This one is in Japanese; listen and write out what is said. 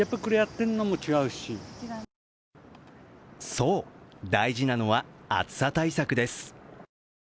そう、大事なのは暑さ対策です。